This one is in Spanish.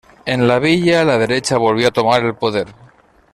En la villa, la derecha volvió a tomar el poder.